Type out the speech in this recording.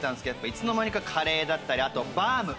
いつの間にかカレーだったりあとバウム。